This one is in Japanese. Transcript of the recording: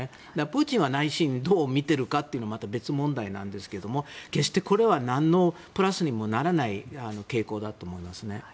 プーチンは内心どう見ているかというのはまた別問題なんですけども決してこれは何のプラスにもならない傾向だと思います。